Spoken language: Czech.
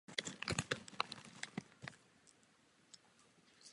Je nejčastěji využíván pro fotbal.